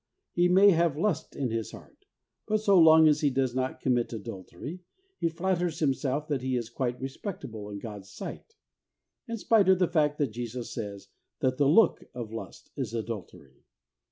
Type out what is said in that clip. He may have lust in his heart, but so long as he does not commit adultery, he flatters himself that he is quite respectable in God's sight, in spite of the fact that Jesus says that the look of lust is adultery.